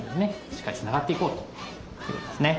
しっかりつながっていこうということですね。